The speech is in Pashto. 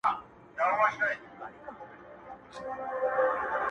زه د هر چا ښو له کاره ويستمه;